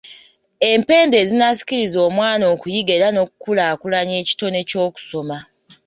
Empenda ezinaasikiriza omwana okuyiga era n’okukulaakulanya ekitone ky’okusoma.